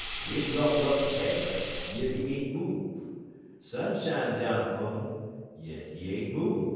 Win' ruffle up he ha'r, yit he ain't move; sun shine down 'pun 'im, yit he ain't move.